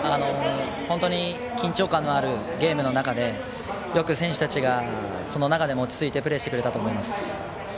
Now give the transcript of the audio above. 本当に緊張感のあるゲームの中でよく選手たちがその中でも落ち着いてプレーしてくれたと思います。